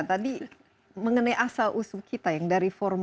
tadi mengenai asal usul kita yang dari formosa ya